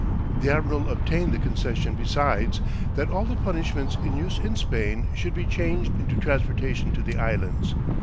The admiral obtained the concession besides, that all the punishments in use in Spain should be changed into transportation to the islands.